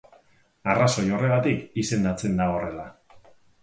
Arrazoi horregatik izendatzen da horrela.